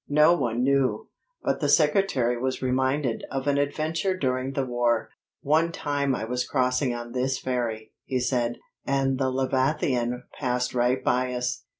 No one knew, but the secretary was reminded of an adventure during the war. "One time I was crossing on this ferry," he said, "and the Leviathan passed right by us.